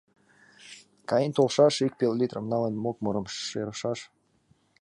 Каен толшаш, ик пел литрым налын, мокмырым шӧрышаш.